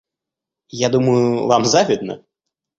Я думаю, вам завидно?